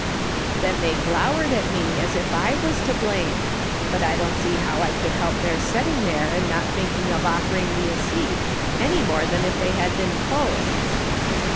" Then they glowered at me as if I was to blame ; but I don't see how I could help their setting there and not thinking of offering me a seat any more than if they had been posts.